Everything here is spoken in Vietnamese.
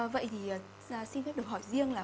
vậy thì xin phép được hỏi riêng là